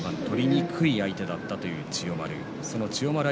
取りにくい相手だったという千代丸。